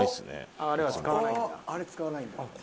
あっあれ使わないんだ。